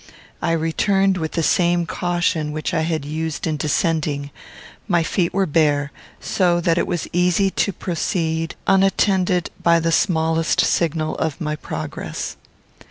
I returned with the same caution which I had used in descending; my feet were bare, so that it was easy to proceed unattended by the smallest signal of my progress.